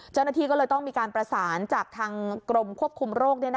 เจ้าหน้าที่ก็เลยต้องมีการประสานจากทางกรมควบคุมโรค